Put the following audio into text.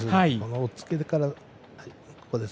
押っつけから。